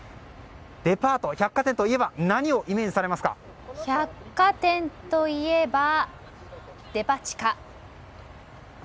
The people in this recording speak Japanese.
デパート、百貨店といえば百貨店といえば、デパ地下！